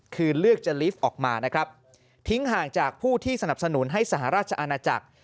คือเลือกจะลีฟออกมานะครับทิ้งห่างจากผู้ที่สนับสนุนให้สหราชอาณาจักร